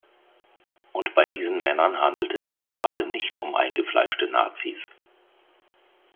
Und bei diesen Männern handelte es sich gerade nicht um eingefleischte Nazis.